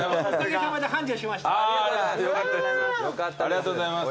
ありがとうございます。